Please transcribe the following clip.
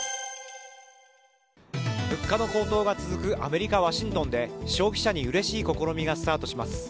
物価の高騰が続くアメリカ・ワシントンで消費者にうれしい試みがスタートします。